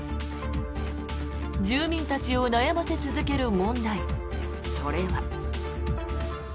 住民たちを悩ませ続ける問題それは。